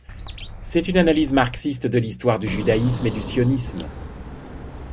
C'est une analyse marxiste de l'histoire du judaïsme et du sionisme.